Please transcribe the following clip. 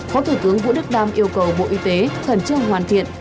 phó thủ tướng vũ đức đam yêu cầu bộ y tế thần châu hoàn thiện